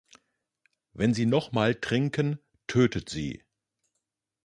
Wenn sie nochmal trinken, tötet sie!